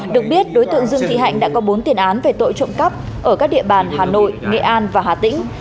được biết đối tượng dương thị hạnh đã có bốn tiền án về tội trộm cắp ở các địa bàn hà nội nghệ an và hà tĩnh